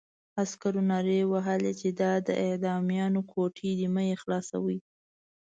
عسکرو نارې وهلې چې دا د اعدامیانو کوټې دي مه یې خلاصوئ.